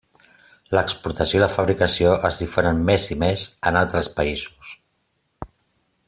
L'exportació i la fabricació es difonen més i més en altres països.